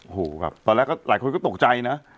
โอ้โหแบบตอนแรกก็หลายคนก็ตกใจนะ